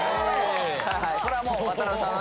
これはもう渡辺さんのね